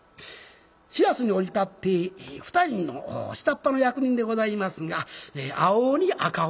白州に降り立って２人の下っ端の役人でございますが青鬼赤鬼